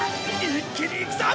一気にいくぞ！